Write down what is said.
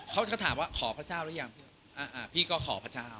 เขาก็ถามว่าขอพระเจ้าหรือยังพี่ก็ขอพระเจ้า